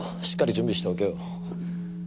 しっかり準備しておけよ。